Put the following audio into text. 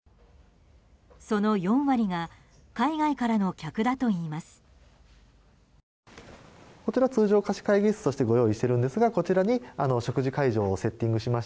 その４割が海外からの客だといいます。